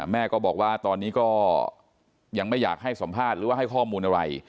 แม่ก็บอกว่าตอนนี้ก็ยังไม่อยากให้สัมภาษณ์หรือว่าให้ข้อมูลอะไร